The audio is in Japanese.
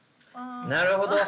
なるほど。